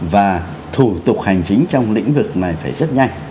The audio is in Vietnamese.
và thủ tục hành chính trong lĩnh vực này phải rất nhanh